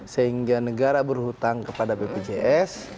sehingga negara berhutang kepada bpjs